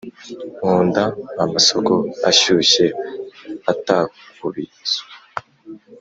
nkunda amasoko ashyushye atakubisw